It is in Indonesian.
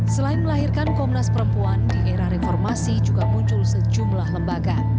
selain melahirkan komnas perempuan di era reformasi juga muncul sejumlah lembaga